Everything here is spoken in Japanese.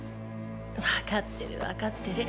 分かってる分かってる。